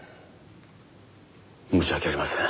申し訳ありません。